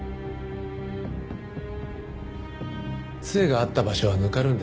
杖があった場所はぬかるんでた。